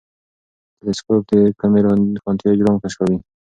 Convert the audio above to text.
ټیلېسکوپونه د کمې روښانتیا اجرام کشفوي.